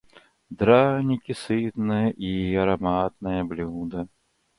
Драники - сытное и ароматное блюдо.